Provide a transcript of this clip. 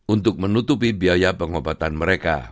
untuk menutupi biaya pengobatan mereka